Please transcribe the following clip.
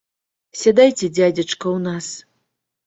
Сядайце, дзядзечка, у нас!